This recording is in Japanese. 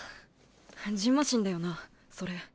じんましんだよなそれ。